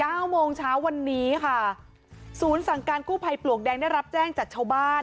เก้าโมงเช้าวันนี้ค่ะศูนย์สั่งการกู้ภัยปลวกแดงได้รับแจ้งจากชาวบ้าน